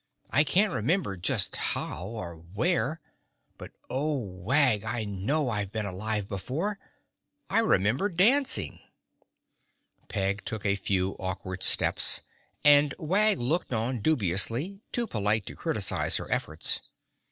"I can't remember just how, or where, but Oh! Wag! I know I've been alive before. I remember dancing." Peg took a few awkward steps and Wag looked on dubiously, too polite to criticize her efforts.